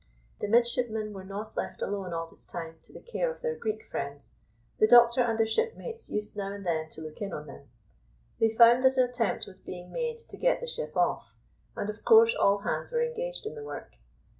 The midshipmen were not left alone all this time to the care of their Greek friends. The doctor and their shipmates used now and then to look in on them. They found that an attempt was being made to get the ship off, and of course all hands were engaged in the work.